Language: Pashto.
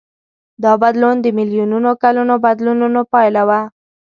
دا بدلون د میلیونونو کلونو بدلونونو پایله وه.